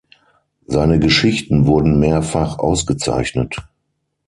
Seine Geschichten wurden mehrfach ausgezeichnet.